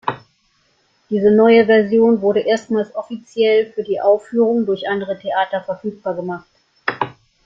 Diese neue Version wurde erstmals offiziell für die Aufführung durch andere Theater verfügbar gemacht.